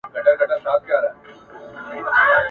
خدای چي په قارسي و یوه قام ته ..